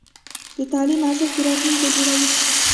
د تعلیم ارزښت د راتلونکي جوړوي.